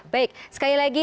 baik sekali lagi